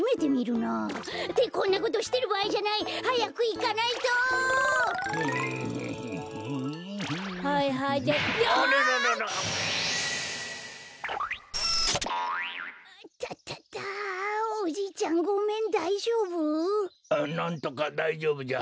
なんとかだいじょうぶじゃ。